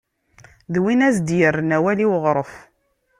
D win ara s-d-yerren awal i uɣref.